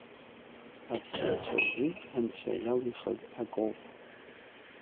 Аԥсшьаҩцәа рзын Анцәа иалихыз акоуп.